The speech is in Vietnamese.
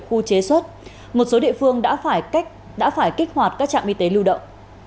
khu chế xuất một số địa phương đã phải kích hoạt các trạm y tế lưu động